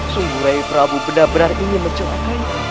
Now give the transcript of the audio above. sungguh rai prabu benar benar ingin mencobanya